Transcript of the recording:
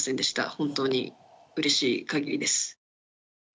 本当にうれしいかぎりです。